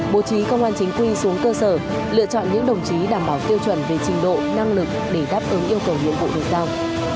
bố trí công an chính quy xuống cơ sở lựa chọn những đồng chí đảm bảo tiêu chuẩn về trình độ năng lực để đáp ứng yêu cầu nhiệm vụ được giao